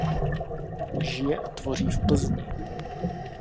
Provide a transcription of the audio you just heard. Žije a tvoří v Plzni.